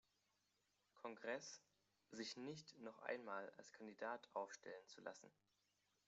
Kongress, sich nicht noch einmal als Kandidat aufstellen zu lassen.